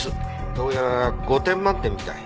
どうやら５点満点みたい。